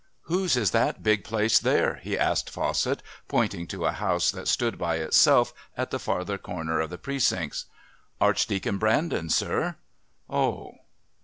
"Whose is that big place there?" he asked Fawcett, pointing to a house that stood by itself at the farther corner of the Precincts. "Archdeacon Brandon's, sir." "Oh!..."